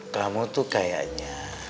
kamu tuh kayaknya